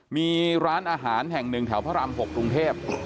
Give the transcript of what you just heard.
มีร้านอาหารแห่งหนึ่งแถวพระราม๖กรุงเทพ